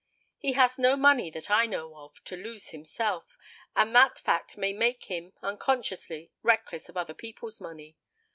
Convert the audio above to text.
He has no money, that I know of, to lose himself, and that fact may make him, unconsciously, reckless of other people's money.